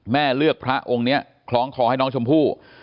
เลือกพระองค์นี้คล้องคอให้น้องชมพู่